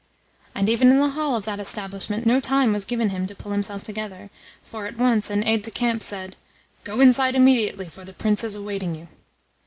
And even in the hall of that establishment no time was given him to pull himself together, for at once an aide de camp said: "Go inside immediately, for the Prince is awaiting you."